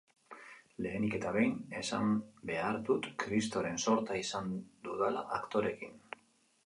Lehenik eta behin, esan behar dut kristoren zortea izan dudala aktoreekin.